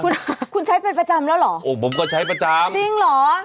คุณคุณใช้เป็นประจำแล้วเหรอโอ้ผมก็ใช้ประจำจริงเหรอ